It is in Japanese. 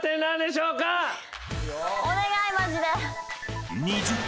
お願いマジで。